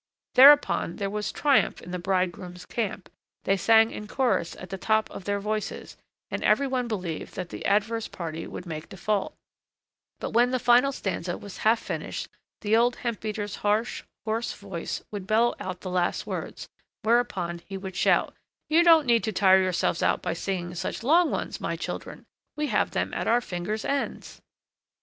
Thereupon, there was triumph in the bridegroom's camp, they sang in chorus at the tops of their voices, and every one believed that the adverse party would make default; but when the final stanza was half finished, the old hemp beater's harsh, hoarse voice would bellow out the last words; whereupon he would shout: "You don't need to tire yourselves out by singing such long ones, my children! We have them at our fingers' ends!"